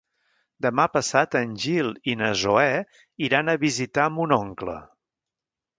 Demà passat en Gil i na Zoè iran a visitar mon oncle.